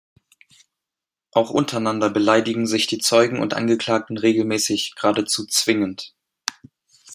Auch untereinander beleidigen sich die Zeugen und Angeklagten regelmäßig, geradezu zwingend.